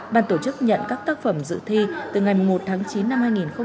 bàn tổ chức nhận các tác phẩm dự thi từ ngày một tháng chín năm hai nghìn một mươi chín